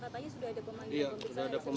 katanya sudah ada pemanggilan pemirsa ya